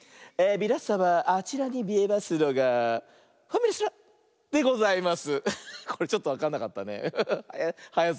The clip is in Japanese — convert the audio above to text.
みなさまあちらにみえますのが「ファミレストラン」でございます。